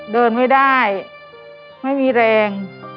เดินไม่ได้ไม่มีแรง